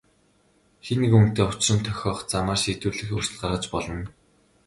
Хэн нэгэн хүнтэй учран тохиох замаар шийдвэрлэх өөрчлөлт гаргаж болно.